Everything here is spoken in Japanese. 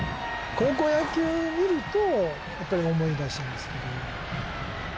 高校野球見るとやっぱり思い出しますけど。